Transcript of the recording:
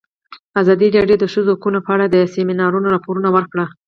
ازادي راډیو د د ښځو حقونه په اړه د سیمینارونو راپورونه ورکړي.